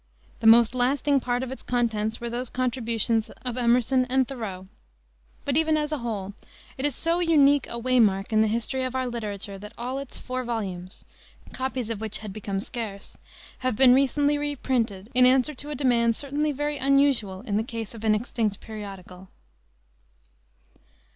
The most lasting part of its contents were the contributions of Emerson and Thoreau. But even as a whole, it is so unique a way mark in the history of our literature that all its four volumes copies of which had become scarce have been recently reprinted in answer to a demand certainly very unusual in the case of an extinct periodical.